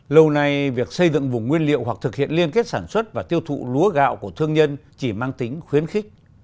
lâu nay việc xây dựng vùng nguyên liệu hoặc thực hiện liên kết sản xuất và tiêu thụ lúa gạo của thương nhân chỉ mang tính khuyến khích